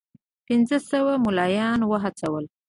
پنځه سوه مُلایان وهڅول.